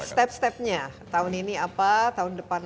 step stepnya tahun ini apa tahun depan